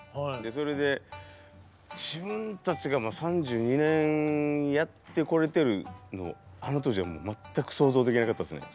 それで自分たちが３２年やってこれてるってあの当時は全く想像できなかったですね。